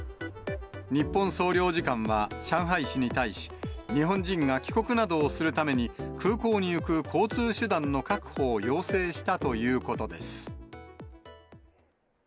日本総領事館は上海市に対し、日本人が帰国などをするために、空港に行く交通手段の確保を要請したということです。